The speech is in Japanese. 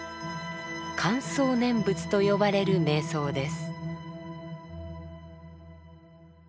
「観想念仏」と呼ばれる瞑想です。